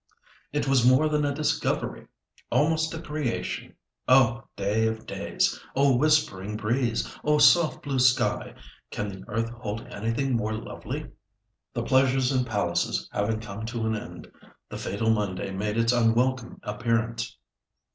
It was more than a discovery. Almost a creation. Oh, day of days! Oh, whispering breeze! Oh, soft blue sky! Can the earth hold anything more lovely?" The "pleasures and palaces" having come to an end, the fatal Monday made its unwelcome appearance.